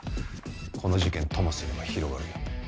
この事件ともすれば広がるやも。